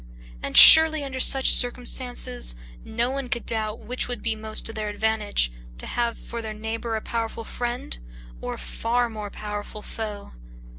And surely under such circumstances, no one could doubt which would be most to their advantage, to have for their neighbor a powerful friend or a far more powerful foe.